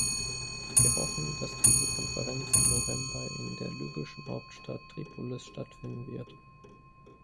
Wir hoffen, dass diese Konferenz im November in der libyschen Hauptstadt Tripolis stattfinden wird.